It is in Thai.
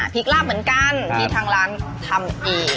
ลาบเหมือนกันที่ทางร้านทำอีก